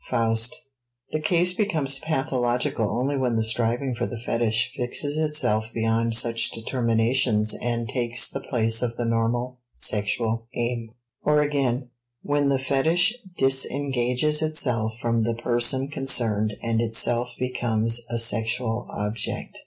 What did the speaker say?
FAUST. The case becomes pathological only when the striving for the fetich fixes itself beyond such determinations and takes the place of the normal sexual aim; or again, when the fetich disengages itself from the person concerned and itself becomes a sexual object.